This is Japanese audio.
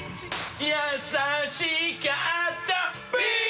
「優しかった」